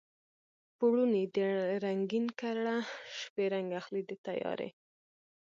پوړونی دې رنګین کړه شپې رنګ اخلي د تیارې